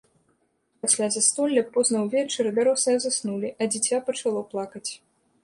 Пасля застолля позна ўвечары дарослыя заснулі, а дзіця пачало плакаць.